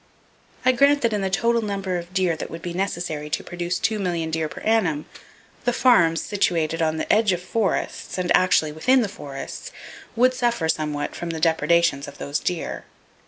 I grant that in the total number of deer that would be necessary to produce two million deer per annum, the farms situated on the edges of forests, and actually within the forests, would suffer somewhat from the depredations of those deer.